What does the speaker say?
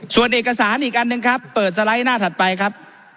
ส่วนเอกสารอีกอันหนึ่งครับเปิดสไลด์หน้าถัดไปครับ